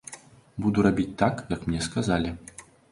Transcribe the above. Буду рабіць так, як мне сказалі.